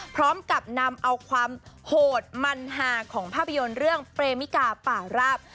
พร้อมกับนำเอาความโหดมันหาของภาพยนตร์เรื่องเปรมิกาป่าราบ